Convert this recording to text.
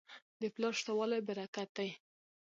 د پلار شته والی برکت دی.